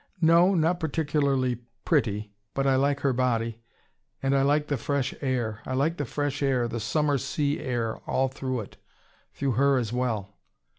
"No not particularly pretty. But I like her body. And I like the fresh air. I like the fresh air, the summer sea air all through it through her as well."